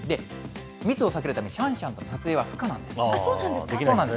密を避けるため、シャンシャンの撮影は不可なんです。